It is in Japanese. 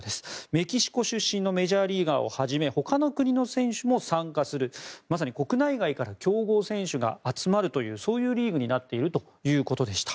メキシコ出身のメジャーリーガーをはじめ他の国の選手も参加するまさに国内外から強豪選手が集まるというリーグになっているということでした。